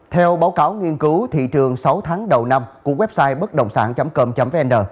theo báo cáo nghiên cứu thị trường sáu tháng đầu năm của website bất động sản com vn